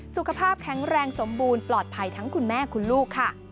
สุขภาพแข็งแรงสมบูรณ์ปลอดภัยทั้งคุณแม่คุณลูกค่ะ